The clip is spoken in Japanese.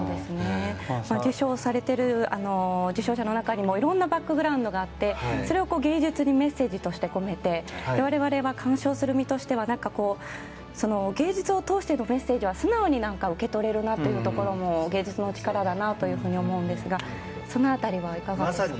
受賞されている受賞者の中にもいろいろなバックグラウンドがあってそれを芸術にメッセージとして込めて我々は鑑賞する身としては芸術を通してのメッセージは素直に受け取れるというところも芸術の力だなと思うんですがその辺りはいかがですか？